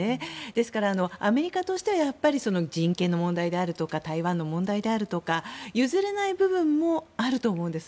ですから、アメリカとしては人権の問題とか台湾の問題であるとか譲れない部分もあると思うんです。